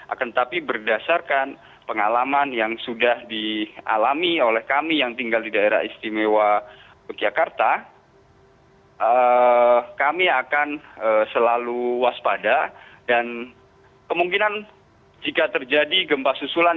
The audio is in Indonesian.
akan tetapi berdasarkan pengalaman yang sudah dialami oleh kami yang tinggal di daerah istimewa yogyakarta kami akan selalu waspada dan kemungkinan jika terjadi gempa susulan